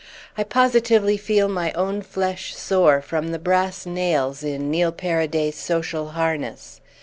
I positively feel my own flesh sore from the brass nails in Neil Paraday's social harness.